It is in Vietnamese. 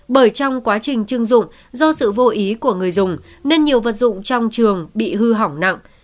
bởi trong quá trình chưng dụng do sự vô ý của người dùng nên nhiều vật dụng trong trường bị hư hỏng nặng